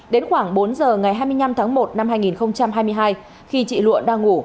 đến khoảng bốn giờ ngày hai mươi năm tháng một năm hai nghìn hai mươi hai khi chị lụa đang ngủ